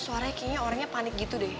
akhirnya orangnya panik gitu deh